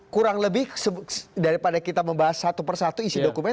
kurang lebih daripada kita membahas satu persatu isi dokumen